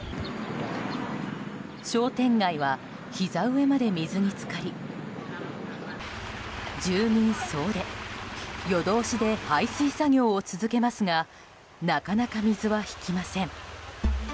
商店街はひざ上まで水に浸かり住民総出、夜通しで排水作業を続けますがなかなか水は引きません。